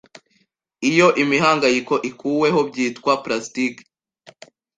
iyo imihangayiko ikuwehobyitwa plastike